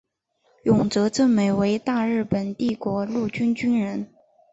永泽正美为大日本帝国陆军军人。